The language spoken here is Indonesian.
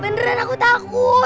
beneran aku takut